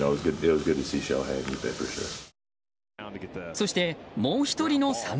そしてもう１人の侍。